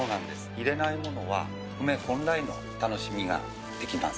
入れないものは、梅本来の楽しみができます。